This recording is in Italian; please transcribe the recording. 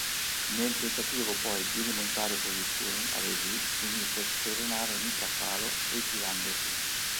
Nel tentativo poi di rimontare posizioni, Alesi finì per speronare Mika Salo, ritirandosi.